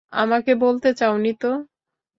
আমাকে বলতে চাওনি তা?